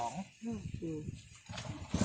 นี่คือเลข๙